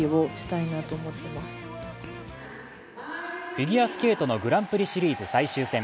フィギュアスケートのグランプリシリーズ最終戦。